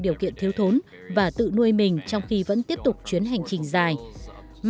điều kiện thiếu thốn và tự nuôi mình trong khi vẫn tiếp tục chuyến hành trình dài matt zandra